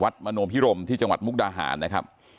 มโนพิรมที่จังหวัดมุกดาหารนะครับ